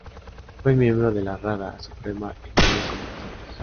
Fue miembro de la Rada Suprema en nueve convocatorias.